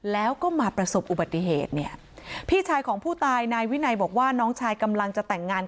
แล้วก็มาประสบอุบัติเหตุเนี่ยพี่ชายของผู้ตายนายวินัยบอกว่าน้องชายกำลังจะแต่งงาน